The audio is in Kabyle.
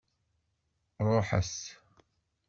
Ṛuḥet!